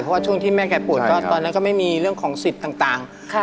เพราะว่าช่วงที่แม่แกปวดก็ตอนนั้นก็ไม่มีเรื่องของสิทธิ์ต่าง